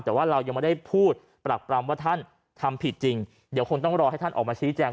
แต่ว่าเรายังไม่ได้พูดปรักปรำว่าท่านทำผิดจริงเดี๋ยวคงต้องรอให้ท่านออกมาชี้แจง